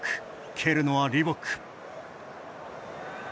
蹴るのは、リボック。